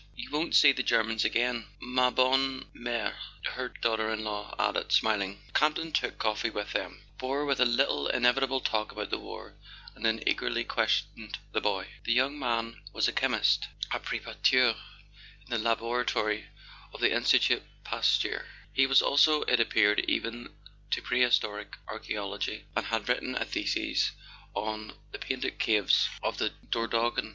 "You won't see the Germans again, ma bonne merel " her daughter in law added, smiling. Campton took coffee with them, bore with a little inevitable talk about the war, and then eagerly ques¬ tioned the son. The young man was a chemist, a A SON AT THE FRONT 'prk'parateur in the laboratory of the Institut Pasteur. He was also, it appeared, given to prehistoric archae¬ ology, and had written a "thesis" on the painted caves of the Dordogne.